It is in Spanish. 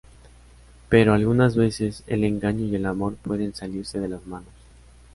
Pero algunas veces, el engaño y el amor pueden salirse de las manos.